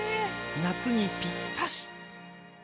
夏にぴったし！